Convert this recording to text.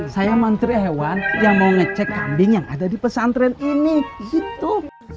saya menteri hewan yang mau ngecek kambing yang ada di pesantren ini gitu